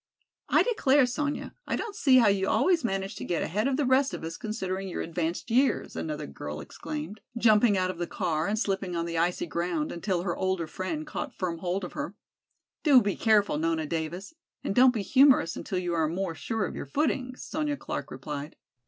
"I declare, Sonya, I don't see how you always manage to get ahead of the rest of us considering your advanced years," another girl exclaimed, jumping out of the car and slipping on the icy ground until her older friend caught firm hold of her. "Do be careful, Nona Davis, and don't be humorous until you are more sure of your footing," Sonya Clark replied.